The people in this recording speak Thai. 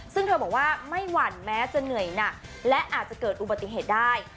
ซึ่งเธอบอกว่าไม่หวั่นแม้จะเหนื่อยหนักและอาจจะเกิดอุบัติเหตุได้